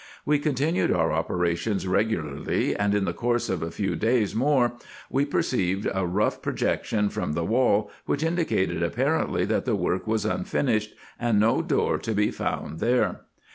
We continued our operations regularly, and in the course of a few days more we per ceived a rough projection from the wall, which indicated apparently that the work was unfinished, and no door to be found there.